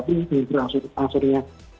tapi ini berlangsungnya